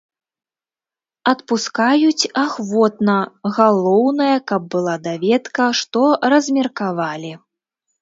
Адпускаюць ахвотна, галоўнае, каб была даведка, што размеркавалі.